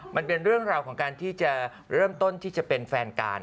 มันเป็นเรื่องราวของการที่จะเริ่มต้นที่จะเป็นแฟนกัน